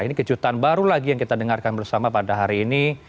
ini kejutan baru lagi yang kita dengarkan bersama pada hari ini